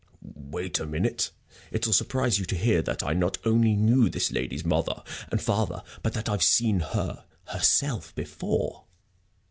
"Wait a minute. It'll surprise you to hear that I not only knew this lady's mother and father, but that I've seen her, herself, before."